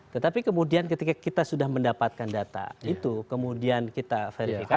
tetapi kemudian ketika kita sudah mendapatkan data itu kemudian kita verifikasi